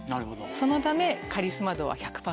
そのためカリスマ度は１００％。